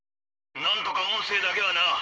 「なんとか音声だけはな」。